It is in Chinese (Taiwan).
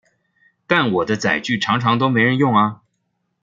但我的載具常常都沒人用啊！